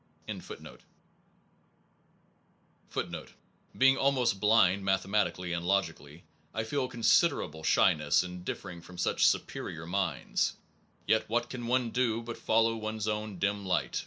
2 Being almost blind mathematically and logically, I feel considera ble shyness in differing from such superior minds, yet what can one do but follow one s own dim light?